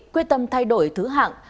quyết tâm thay đổi thứ hạng